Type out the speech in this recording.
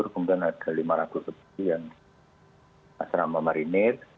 kemudian ada lima ratus lebih yang asrama marinir